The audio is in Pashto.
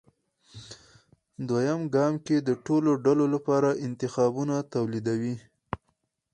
دویم ګام کې د ټولو ډلو لپاره انتخابونه توليدوي.